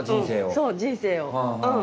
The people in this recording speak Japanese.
そう人生をうん。